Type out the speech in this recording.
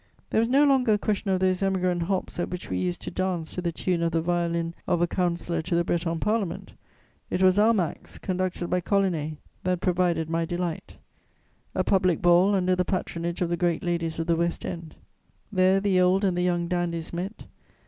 There was no longer a question of those Emigrant hops at which we used to dance to the tune of the violin of a counsellor to the Breton Parliament; it was Almack's, conducted by Collinet, that provided my delight: a public ball under the patronage of the great ladies of the West End. There the old and the young dandies met.